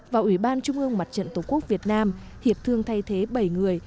và ủy ban trung ương mặt trận tổ quốc việt nam hiệp thương thay thế bảy người